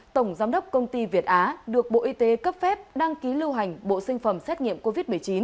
tổng giám đốc công ty việt á được bộ y tế cấp phép đăng ký lưu hành bộ sinh phẩm xét nghiệm covid một mươi chín